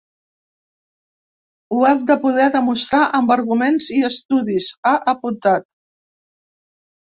Ho hem de poder demostrar amb arguments i estudis, ha apuntat.